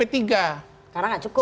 karena nggak cukup